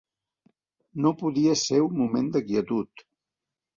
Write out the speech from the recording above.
No podia ser un moment de quietud.